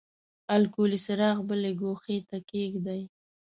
الکولي څراغ بلې ګوښې ته کیږدئ.